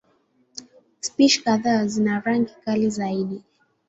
Spishi kadhaa zina rangi kali zaidi.